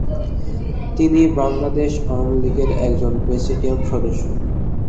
তিনি বাংলাদেশ আওয়ামী লীগের একজন প্রেসিডিয়াম সদস্য।